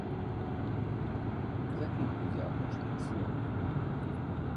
За кім будзе апошняе слова?